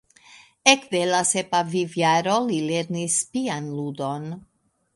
Ekde la sepa vivjaro li lernis pianludon.